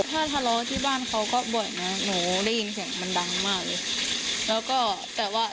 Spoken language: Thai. ป่อนหน้านี้ก็เคยทำเลาะกันทั้งปกติด้วยแหละ